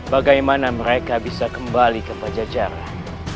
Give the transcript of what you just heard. bagaimana mereka bisa kembali ke pajajaran